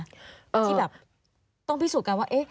ที่แบบต้องพิสูจน์กันว่า